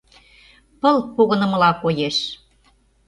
Пыл погынымыла коеш.